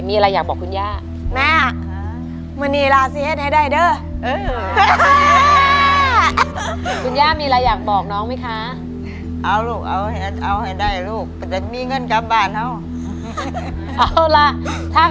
มีอะไรอยากบอกคุณย่า